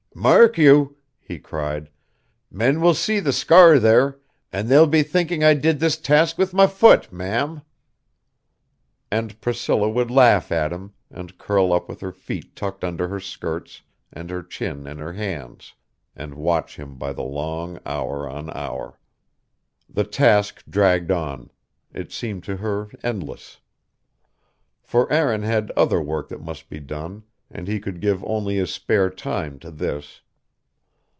"Mark you," he cried, "men will see the scar there, and they'll be thinking I did this task with my foot, Ma'am." And Priscilla would laugh at him, and curl up with her feet tucked under her skirts and her chin in her hands, and watch him by the long hour on hour. The task dragged on; it seemed to her endless. For Aaron had other work that must be done, and he could give only his spare time to this.